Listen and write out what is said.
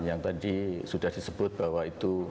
yang tadi sudah disebut bahwa itu